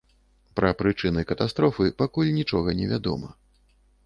Пра прычыны катастрофы пакуль нічога невядома.